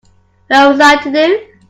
What was I to do?